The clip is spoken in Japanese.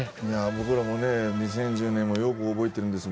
僕らもね、２０１０年もよく覚えているんです。